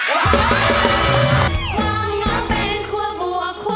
หนุ่ยเชิญยิ้มค่ะ